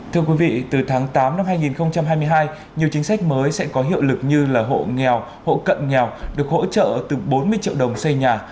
thưa quý vị từ tháng tám năm hai nghìn hai mươi hai nhiều chính sách mới sẽ có hiệu lực như là hộ nghèo hộ cận nghèo được hỗ trợ từ bốn mươi triệu đồng xây nhà